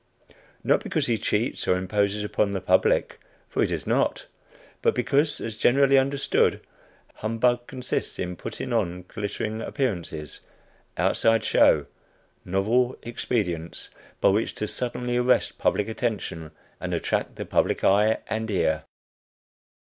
Not because he cheats or imposes upon the public, for he does not, but because, as generally understood, "humbug" consists in putting on glittering appearances outside show novel expedients, by which to suddenly arrest public attention, and attract the public eye and ear.